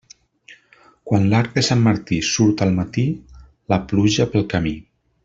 Quan l'arc de Sant Martí surt al matí, la pluja pel camí.